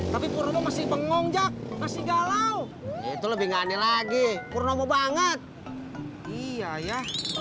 tapi kurung masih bengong jack masih galau itu lebih ngane lagi purnomo banget iya ya